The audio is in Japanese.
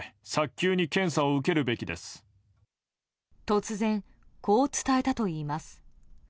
突然、こう伝えたといいます。